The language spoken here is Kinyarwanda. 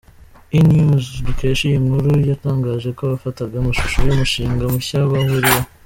E! News dukesha iyi nkuru yatangaje ko ‘bafataga amashusho y’umushinga mushya bahuriyeho’.